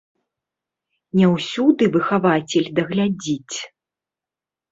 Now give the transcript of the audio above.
Не ўсюды выхавацель даглядзіць.